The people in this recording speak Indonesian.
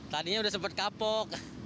tadinya udah sempat kapok